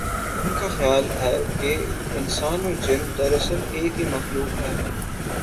ان کا خیال ہے کہ انسان اور جن دراصل ایک ہی مخلوق ہے۔